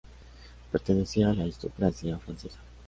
Pertenecía a la aristocracia francesa.